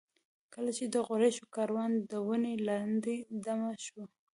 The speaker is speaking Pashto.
کله چې د قریشو کاروان د ونې لاندې دمه شو.